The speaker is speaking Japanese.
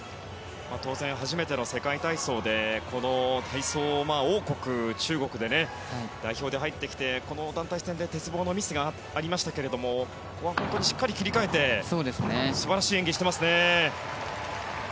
当然初めての世界体操でこの体操王国・中国で代表で入ってきて、団体戦で鉄棒のミスがありましたがしっかり切り替えて素晴らしい演技をしています。